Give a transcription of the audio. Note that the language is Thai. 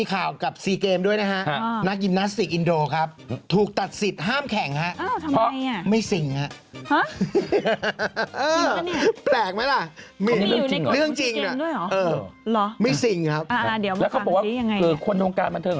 แล้วเขาบอกว่าคนวงการบันเทิง